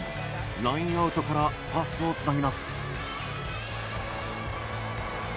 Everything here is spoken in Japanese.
ラインアウトからパスをつなぎます。